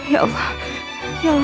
tolong aku ya allah